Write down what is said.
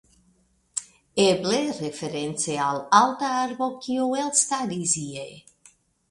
Eble reference al alta arbo kiu elstaris ie.